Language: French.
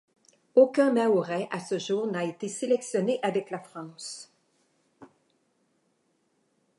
Aucun mahorais à ce jour n'a été sélectionné avec la France.